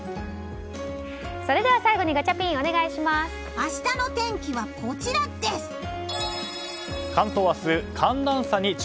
それでは最後にガチャピン明日の天気はこちらです！